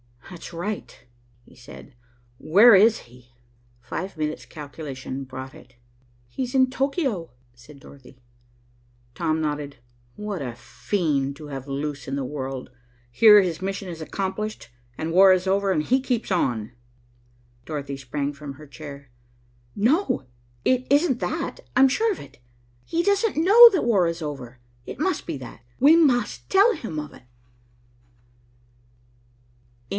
"That's right," he said. "Where is he?" Five minute's calculation brought it. "He's in Tokio," said Dorothy. Tom nodded. "What a fiend to have loose in the world. Here his mission is accomplished and war is over, and he keeps on." Dorothy sprang from her chair. "No, it isn't that. I'm sure of it. He doesn't know that war is over. It must be that. We must tell him of it."